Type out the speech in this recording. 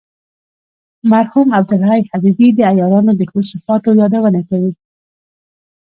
مرحوم عبدالحی حبیبي د عیارانو د ښو صفاتو یادونه کوي.